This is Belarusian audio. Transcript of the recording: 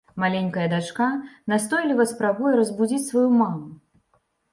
Маленькая дачка настойліва спрабуе разбудзіць сваю маму.